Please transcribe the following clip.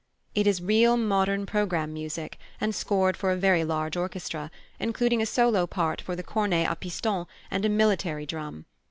It is real modern programme music, and scored for a very large orchestra, including a solo part for the cornet à pistons and a military drum.